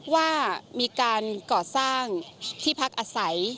ว่ามีการก่อสร้างที่พักอาศัย